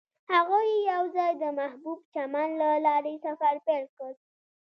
هغوی یوځای د محبوب چمن له لارې سفر پیل کړ.